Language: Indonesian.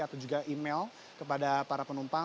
atau juga email kepada para penumpang